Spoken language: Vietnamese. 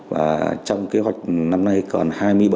và trong kế hoạch năm nay còn hai mươi ba